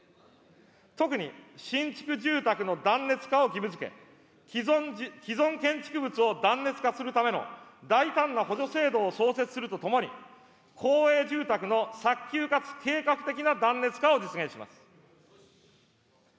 特に新築住宅の断熱化を義務づけ、既存建築物を断熱化するための大胆な補助制度を創設するとともに、公営住宅の早急かつ計画的な断熱化を実現します。